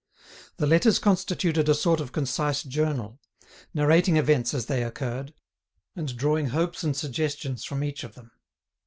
The letters constituted a sort of concise journal, narrating events as they occurred, and drawing hopes and suggestions from each of them.